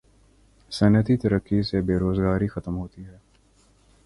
صنعتی ترقی سے بے روزگاری ختم ہوتی ہے